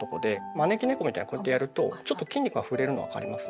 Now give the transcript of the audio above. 招き猫みたいにこうやってやるとちょっと筋肉が触れるの分かります？